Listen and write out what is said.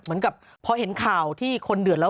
เหมือนกับพอเห็นข่าวที่คนเดือดแล้ว